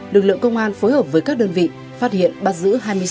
lực lượng công an phối hợp với các đơn vị phát hiện bắt giữ hai mươi sáu chín trăm sáu mươi